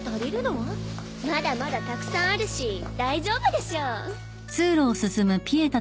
まだまだたくさんあるし大丈夫でしょ。